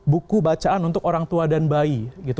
buku bacaan untuk orang tua dan bayi gitu